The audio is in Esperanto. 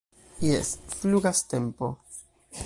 Jes, flugas tempo